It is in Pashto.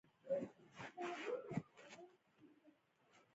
سترګې د ټولو انسانانو له ځانګړتیاوو سره تړاو لري.